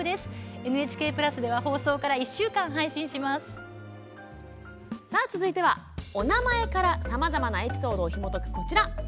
ＮＨＫプラスでは続いてはお名前からさまざまなエピソードをひもとく、こちら。